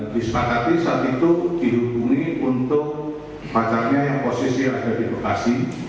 disepakati saat itu dihubungi untuk pacarnya yang posisi ada di bekasi